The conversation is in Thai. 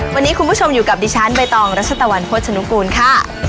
วันนี้คุณผู้ชมอยู่กับดิฉันใบตองรัชตะวันโภชนุกูลค่ะ